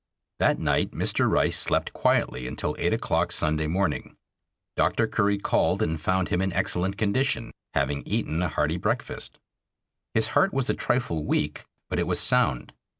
That night Mr. Rice slept quietly until eight o'clock Sunday morning. Dr. Curry called and found him in excellent condition, having eaten a hearty breakfast. His heart was a trifle weak, but it was sound.